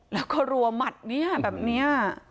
แล้วก็รัวหมัดเนี่ยแบบนี้